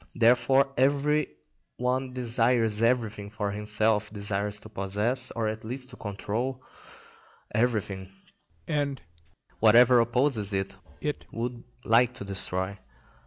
Therefore every one desires everything for himself, desires to possess, or at least to control, everything, and whatever opposes it it would like to destroy.